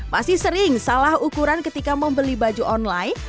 masih sering salah ukuran ketika membeli baju online